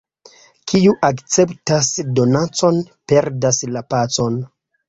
Kiu akceptas donacon, perdas la pacon.